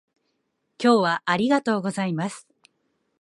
今日はありがとうございます